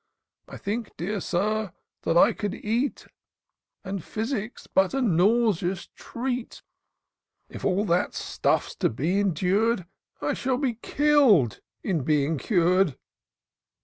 1 think, dear Sir, that I could eat, And physic's but a nauseous treat: If all that stuff's to be endur'd, I shall be kill'd in being cur'd."